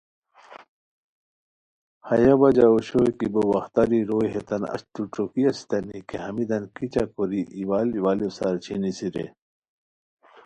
ہیہ وجہ اوشوئے کی بو وختاری روئے ہیتان اچتو ݯوکی اسیتانی کی ہمیتان کیچہ کوری ایوال ایوالیوسار چھینیسی رے